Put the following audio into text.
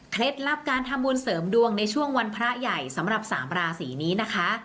ลับการทำบุญเสริมดวงในช่วงวันพระใหญ่สำหรับ๓ราศีนี้นะคะ